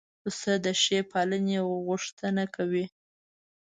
پسه د ښې پالنې غوښتنه کوي.